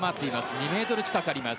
２ｍ近くあります。